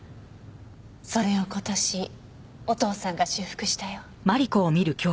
それを今年お父さんが修復したよ。